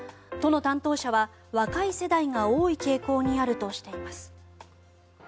都の担当者は若い世代が多い傾向にあるとしています。